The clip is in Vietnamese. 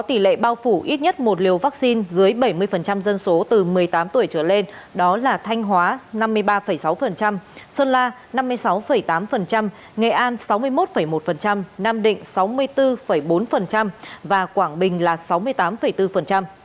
tỷ lệ bao phủ ít nhất một liều vaccine là gần chín mươi và tỷ lệ tiêm đủ hai liều vaccine là khoảng gần năm mươi tám dân số